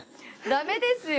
ダメですよ。